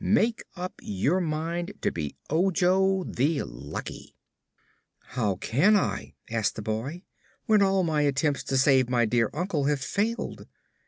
Make up your mind to be Ojo the Lucky." "How can I?" asked the boy, "when all my attempts to save my dear uncle have failed?"